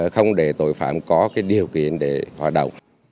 không để tội phạm có điều kiện để hoạt động